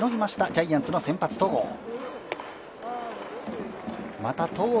ジャイアンツの先発・戸郷。